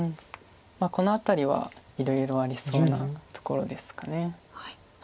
この辺りはいろいろありそうなところですか。